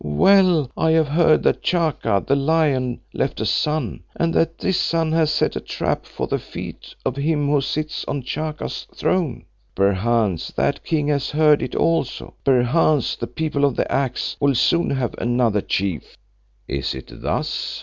Well, I have heard that Chaka the Lion left a son, and that this son has set a trap for the feet of him who sits on Chaka's throne. Perchance that king has heard it also; perchance the People of the Axe will soon have another Chief." "Is it thus?"